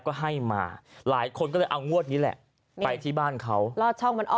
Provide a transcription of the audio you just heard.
ก็ให้มาหลายคนก็เลยเอางวดนี้แหละไปที่บ้านเขาลอดช่องมันออก